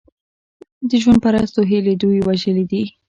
د ژوند پرستو هیلې دوی وژلي دي.